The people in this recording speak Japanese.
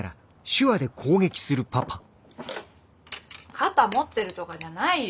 肩持ってるとかじゃないよ。